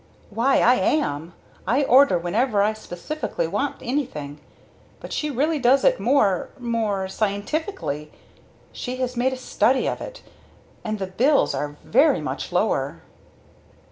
"Why I am! I order whenever I specially want anything. But she really does it more more scientifically. She has made a study of it. And the bills are very much lower."